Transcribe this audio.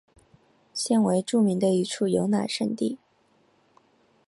现为著名的一处游览胜地。